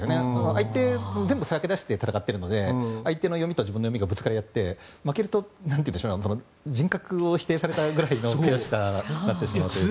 相手、全部さらけ出して戦っているので相手の読みと自分の読みがぶつかり合って負けると人格を否定されたぐらいの悔しさになってしまうというか。